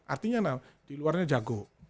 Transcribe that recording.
artinya di luarnya jago